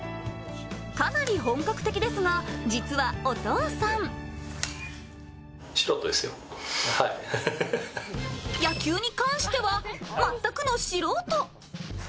かなり本格的ですが、実はお父さん野球に関しては全くの素人。